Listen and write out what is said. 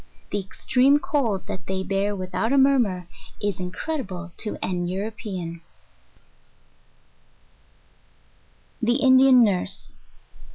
The extreme cold that they bear without a murmur is incredible to an European APPENDIX. THE INDIAN NURSE.